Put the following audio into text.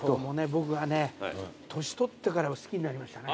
僕はね年取ってからは好きになりましたね。